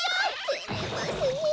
てれますねえ